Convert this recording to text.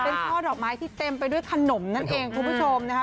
เป็นช่อดอกไม้ที่เต็มไปด้วยขนมนั่นเองคุณผู้ชมนะคะ